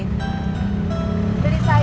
kan gak ada sayuran mak